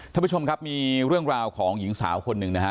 ท่านผู้ชมครับมีเรื่องราวของหญิงสาวคนหนึ่งนะฮะ